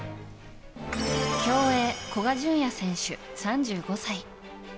競泳、古賀淳也選手、３５歳。